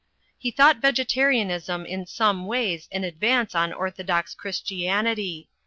He thought Vegetarianism in some ways an advance on orthodox Christianity.